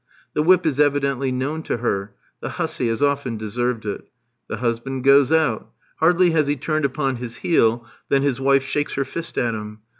The whip is evidently known to her; the hussey has often deserved it. The husband goes out. Hardly has he turned upon his heel, than his wife shakes her fist at him.